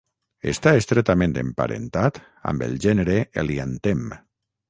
Està estretament emparentat amb el gènere heliantem.